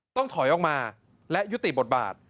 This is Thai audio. ต้องถอยออกมาและยุติบทบาท